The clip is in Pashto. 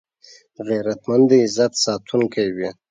غیرتمند د عزت ساتونکی وي